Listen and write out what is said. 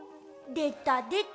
でたでた！